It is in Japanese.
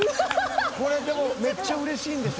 「これでもめっちゃ嬉しいんでしょ？」